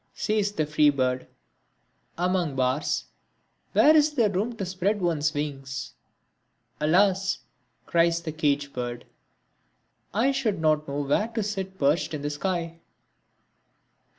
Says the free bird, "Among bars, where is there room to spread one's wings?" "Alas," cries the cage bird, "I should not know where to sit perched in the sky."